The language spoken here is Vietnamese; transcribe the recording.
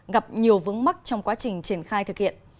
gặp nhiều vướng mắc trong quá trình triển khai thực hiện